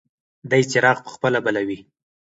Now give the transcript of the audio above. دی څراغ په خپله بلوي.